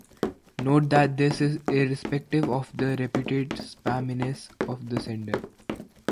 Note that this is irrespective of the reputed "spamminess" of the sender.